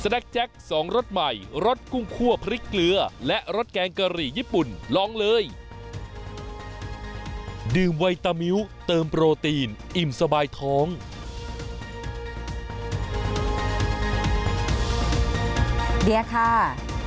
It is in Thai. เดี๋ยวค่ะเดี๋ยวอยู่ในสายนะ